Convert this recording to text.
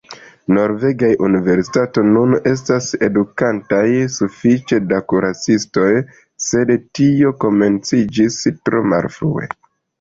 Norvegaj universitatoj nun estas edukantaj sufiĉe da kuracistoj, sed tio komenciĝis tro malfrue.